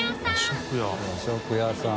多亜和食屋さん。